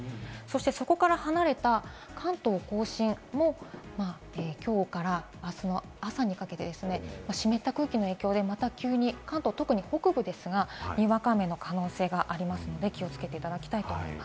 そこから離れた関東甲信も、きょうからあすの朝にかけて湿った空気の影響で、また急に関東は特に北部ですが、にわか雨の可能性がありますので、気をつけていただきたいと思います。